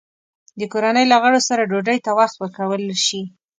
د کورنۍ له غړو سره ډوډۍ ته وخت ورکول شي؟